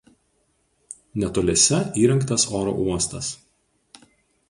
Netoliese įrengtas oro uostas.